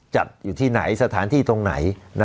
จัดอยู่ที่ไหนสถานที่ตรงไหน